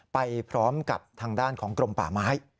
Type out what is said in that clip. ไปพร้อมกับทางด้านของกรมป่าไม้